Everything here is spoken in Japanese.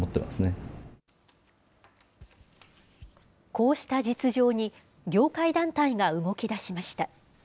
こうした実情に、業界団体が動きだしました。